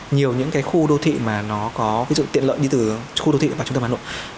nhiều những cái khu đô thị mà nó có ví dụ tiện lợi đi từ khu đô thị vào trung tâm hà nội